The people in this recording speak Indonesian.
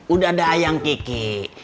udah ada ayang kiki